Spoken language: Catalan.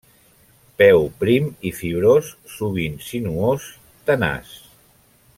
Peu prim i fibrós, sovint sinuós, tenaç.